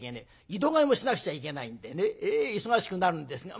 井戸替えもしなくちゃいけないんでねええ忙しくなるんですが。